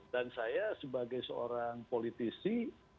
dan saya sebagai seorang politisi